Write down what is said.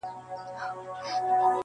عاشق معسوق ډېوه لمبه زاهد ايمان ساتي-